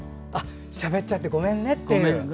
しゃべっちゃってごめんねっていう。